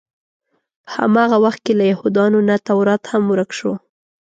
په هماغه وخت کې له یهودانو نه تورات هم ورک شو.